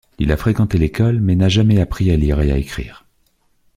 Il a fréquenté l'école mais n'a jamais appris à lire et à écrire.